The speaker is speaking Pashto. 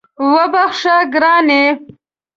وبخښه ګرانې